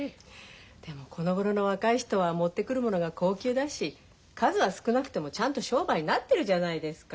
でもこのごろの若い人は持ってくるものが高級だし数は少なくてもちゃんと商売になってるじゃないですか。